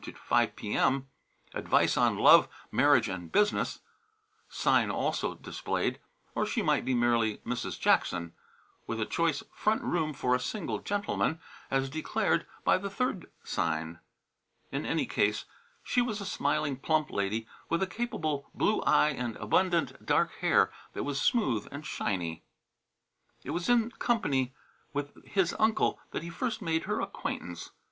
to 5 P.M., Advice on Love, Marriage and Business; sign also displayed; or she might be merely Mrs. Jackson, with a choice front room for a single gentleman, as declared by the third sign. In any case she was a smiling, plump lady with a capable blue eye and abundant dark hair that was smooth and shiny. It was in company with his uncle that he first made her acquaintance.